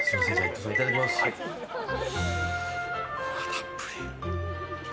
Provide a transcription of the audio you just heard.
たっぷり。